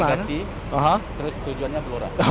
terus tujuannya blora